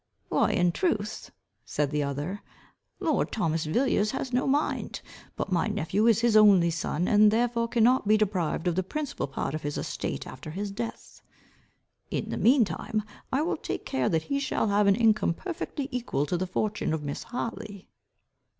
"Why in truth," said the other, "lord Thomas Villiers has no mind. But my nephew is his only son, and therefore cannot be deprived of the principal part of his estate after his death. In the mean time, I will take care that he shall have an income perfectly equal to the fortune of Miss Hartley."